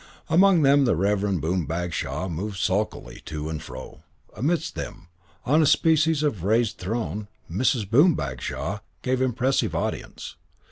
Among them the Reverend Boom Bagshaw moved sulkily to and fro; amidst them, on a species of raised throne, Mrs. Boom Bagshaw gave impressive audience.